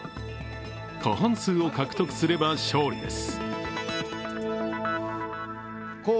過半数を獲得すれば勝利です。